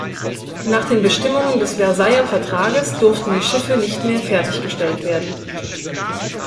Nach den Bestimmungen des Versailler Vertrages durften die Schiffe nicht mehr fertiggestellt werden.